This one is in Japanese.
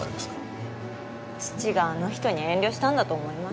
父があの人に遠慮したんだと思います。